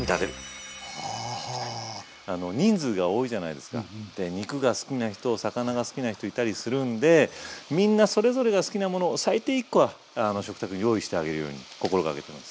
で肉が好きな人魚が好きな人いたりするんでみんなそれぞれが好きなものを最低１個は食卓に用意してあげるように心がけてます。